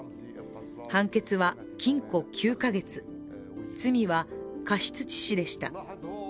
判決は禁錮９か月、罪は過失致死でした。